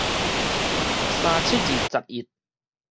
三七二十一